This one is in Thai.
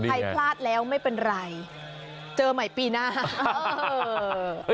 พลาดแล้วไม่เป็นไรเจอใหม่ปีหน้า